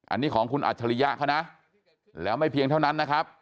อันนี้ของคุณอัจฉริยะเขานะแล้วไม่เพียงเท่านั้นนะครับ